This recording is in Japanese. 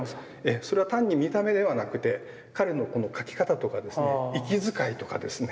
それは単に見た目ではなくて彼のこの描き方とかですね息遣いとかですね。